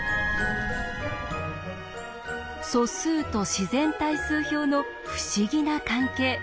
素数と自然対数表の不思議な関係。